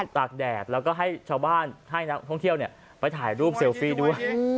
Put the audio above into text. ตากแดดแล้วก็ให้ชาวบ้านให้นักท่องเที่ยวไปถ่ายรูปเซลฟี่ด้วย